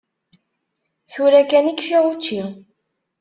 Tura kan i kfiɣ učči.